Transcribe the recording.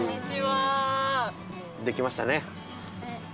できましたね。